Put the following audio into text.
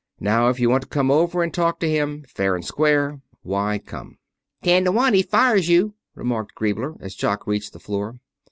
Now, if you want to come over and talk to him, fair and square, why come." "Ten to one he fires you," remarked Griebler, as Jock reached the door.